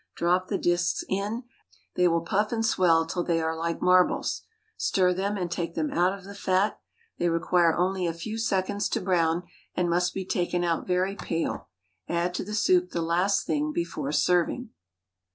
Drop the disks in; they will puff and swell till they are like marbles. Stir them, and take them out of the fat; they require only a few seconds to brown, and must be taken out very pale. Add to the soup the last thing before serving.